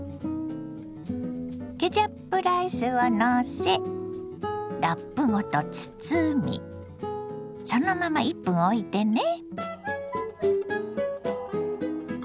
ケチャップライスをのせラップごと包みそのまま１分おいてね。